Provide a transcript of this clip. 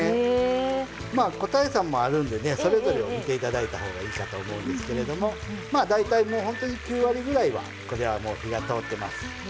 個体差もあるのでそれぞれを見ていただいたほうがいいかと思うんですけれど大体、本当に９割ぐらいは火が通ってます。